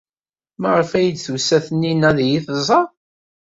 Maɣef ay d-tusa Taninna ad iyi-tẓer?